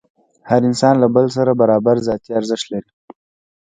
هر انسان له بل سره برابر ذاتي ارزښت لري.